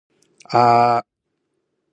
He was born in Pawtucket, Rhode Island.